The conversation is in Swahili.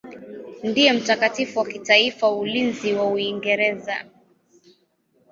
Ndiye mtakatifu wa kitaifa wa ulinzi wa Uingereza.